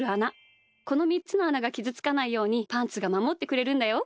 この３つのあながきずつかないようにパンツがまもってくれるんだよ。